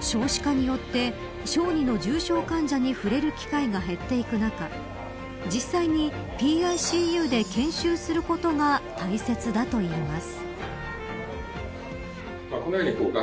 少子化によって小児の重症患者に触れる機会が減っていく中実際にＰＩＣＵで研修することが大切だといいます。